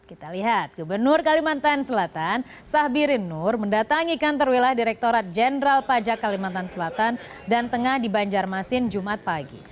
kita lihat gubernur kalimantan selatan sahbirin nur mendatangi kantor wilayah direkturat jenderal pajak kalimantan selatan dan tengah di banjarmasin jumat pagi